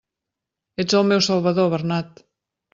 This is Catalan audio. Ets el meu salvador, Bernat!